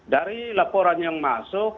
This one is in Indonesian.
dari laporan yang masuk